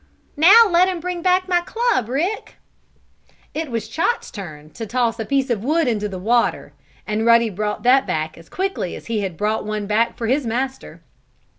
"Now let him bring back my club, Rick." It was Chot's turn to toss a piece of wood into the water, and Ruddy brought that back as quickly as he had brought one back for his master.